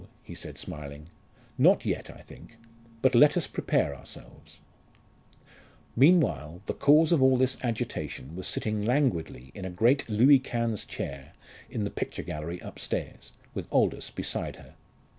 he said smiling. "Not yet, I think. But let us prepare ourselves." Meanwhile the cause of all this agitation was sitting languidly in a great Louis Quinze chair in the picture gallery upstairs, with Aldous beside her.